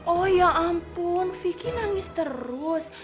oh ya ampun vicky nangis terus